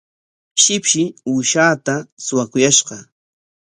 Shipshi uushaata suwakuyashqa.